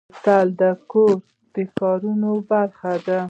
بوتل د کور د کارونو برخه ده.